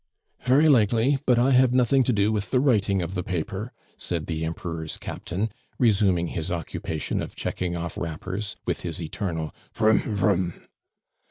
"Very likely; but I have nothing to do with the writing of the paper," said the Emperor's captain, resuming his occupation of checking off wrappers with his eternal broum! broum!